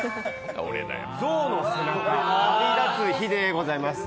「象の背中−旅立つ日−」でございます。